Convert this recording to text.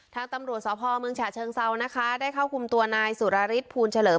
ทางตำรวจสพเมืองฉะเชิงเซานะคะได้เข้าคุมตัวนายสุรฤทธภูลเฉลิม